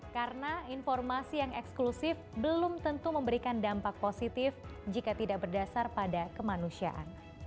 karena informasi yang eksklusif belum tentu memberikan dampak positif jika tidak berdasar pada kemanusiaan